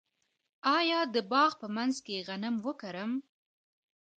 آیا د باغ په منځ کې غنم وکرم؟